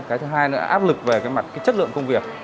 cái thứ hai nữa là áp lực về cái mặt cái chất lượng công việc